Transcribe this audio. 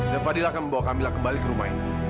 dan fadil akan membawa kamila kembali ke rumah ini